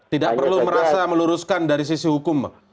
tidak perlu merasa meluruskan dari sisi hukum